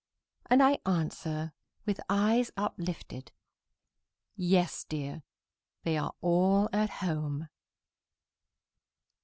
And I answer, with eyes uplifted, "Yes, dear! they are all at home."